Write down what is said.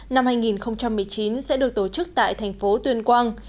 năm hai nghìn một mươi chín sẽ được tổ chức tại thành phố tuyên quang